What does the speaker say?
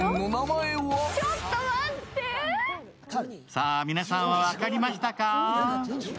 さぁ、皆さんは分かりましたか？